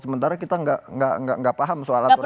sementara kita enggak paham soal aturan yang ada